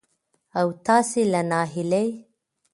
او تاسې له ناهيلۍ